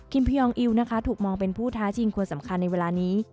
คิมพยองอิวถูกมองเป็นผู้ท้าจริงควรสำคัญในเวลานี้